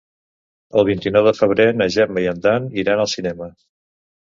El vint-i-nou de febrer na Gemma i en Dan iran al cinema.